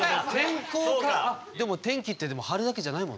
でも天気って晴れだけじゃないもんね。